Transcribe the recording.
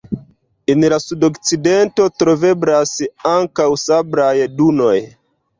En la sudokcidento troveblas ankaŭ sablaj dunoj.